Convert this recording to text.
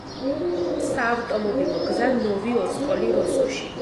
საავტომობილო გზა ნოვი-ოსკოლი—როსოში.